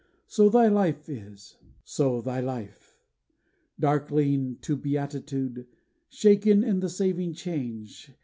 So thy life is, so thy life! Darkling to beatitude, Shaken in the saving change.